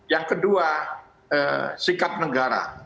yang kedua sikap negara